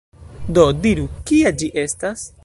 Do, diru, kia ĝi estas?